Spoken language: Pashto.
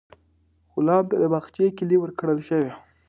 غلام ته د باغچې کیلي ورکړل شوه.